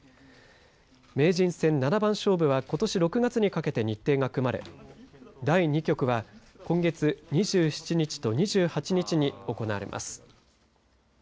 名人戦七番勝負はことし６月にかけて日程が組まれ第２局は今月２７日と２８日に行われます。